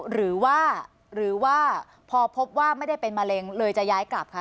หรือว่าหรือว่าพอพบว่าไม่ได้เป็นมะเร็งเลยจะย้ายกลับคะ